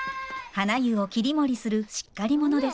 はな湯を切り盛りするしっかり者です。